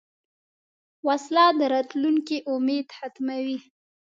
وسله د راتلونکې امید ختموي